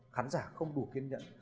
khán giả không đủ kiên nhẫn